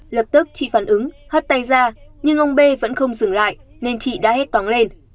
lập tức chị phản ứng hất tay ra nhưng ông b vẫn không dừng lại nên chị đã hết tóng lên